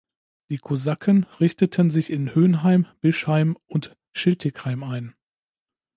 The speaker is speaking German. Die Kosaken richteten sich in Hœnheim, Bischheim und Schiltigheim ein.